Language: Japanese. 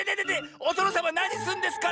おとのさまなにすんですか！